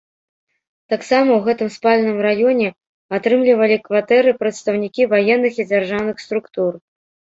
Таксама ў гэтым спальным раёне атрымлівалі кватэры прадстаўнікі ваенных і дзяржаўных структур.